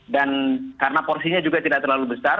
dan karena porsinya juga tidak terlalu besar